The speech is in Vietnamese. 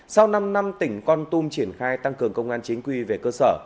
sau năm năm tỉnh con tum triển khai tăng cường công an chính quy về cơ sở